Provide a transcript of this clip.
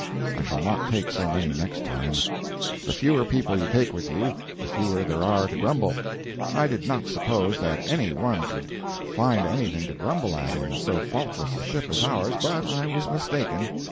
I shall not take so many next time. The fewer people you take with you, the fewer there are to grumble. I did not suppose that anyone could find anything to grumble at in so faultless a ship as ours, but I was mistaken.